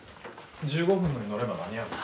１５分のに乗れば間に合うな。